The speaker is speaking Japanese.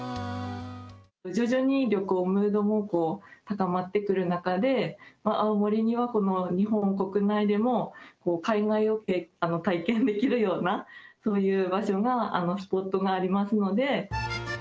徐々に旅行ムードも高まってくる中で、青森には、この日本国内でも海外を体験できるような、そういう場所が、スポットがありますので。